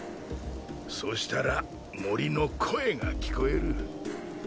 そしたら森の声が聞こえる。